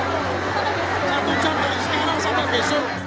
satu jam dari sini sampai besok satu jam dari sini sampai besok